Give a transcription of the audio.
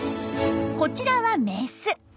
こちらはメス。